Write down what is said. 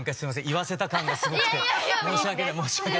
言わせた感がすごくて申し訳ないです。